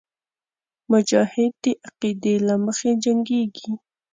مجاهد د عقیدې له مخې جنګېږي.